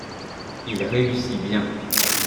Il réussit bien.